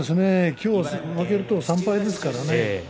今日負けると３敗ですからね。